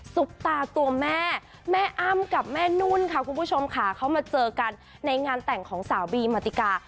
ตาตัวแม่แม่อ้ำกับแม่นุ่นค่ะคุณผู้ชมค่ะเขามาเจอกันในงานแต่งของสาวบีมมาติกา